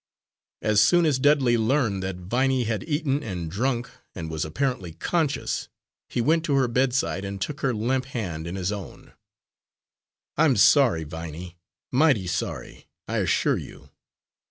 As soon as Dudley learned that Viney had eaten and drunk and was apparently conscious, he went to her bedside and took her limp hand in his own. "I'm sorry, Viney, mighty sorry, I assure you.